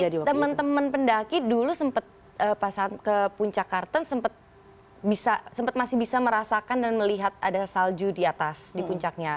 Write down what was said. jadi dari teman teman pendaki dulu sempat pas ke puncak kartens sempat masih bisa merasakan dan melihat ada salju di atas di puncaknya